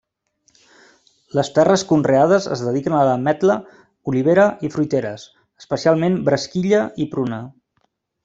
Les terres conreades es dediquen a ametla, olivera i fruiteres, especialment bresquilla i pruna.